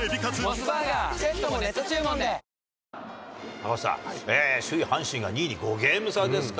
赤星さん、首位阪神が２位に５ゲーム差ですか。